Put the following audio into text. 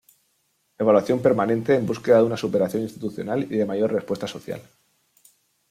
Evaluación permanente en búsqueda de una superación institucional y de mayor respuesta social.